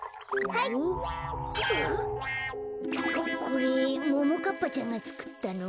これももかっぱちゃんがつくったの？